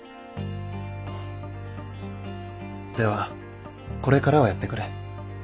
ではこれからはやってくれ。